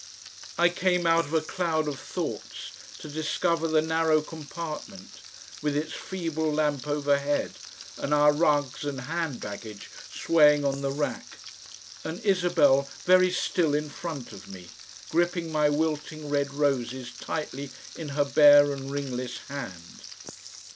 I came out of a cloud of thoughts to discover the narrow compartment, with its feeble lamp overhead, and our rugs and hand baggage swaying on the rack, and Isabel, very still in front of me, gripping my wilting red roses tightly in her bare and ringless hand.